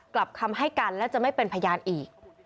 กลับคำให้การและจะไม่เป็นพยานอีก